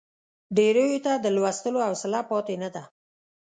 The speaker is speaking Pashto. ډېریو ته د لوستلو حوصله پاتې نه ده.